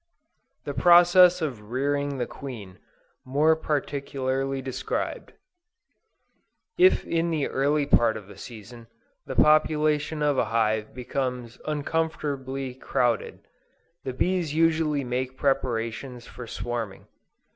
THE PROCESS OF REARING THE QUEEN MORE PARTICULARLY DESCRIBED. If in the early part of the season, the population of a hive becomes uncomfortably crowded, the bees usually make preparations for swarming.